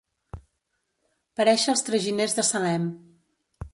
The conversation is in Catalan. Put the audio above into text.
Parèixer els traginers de Salem.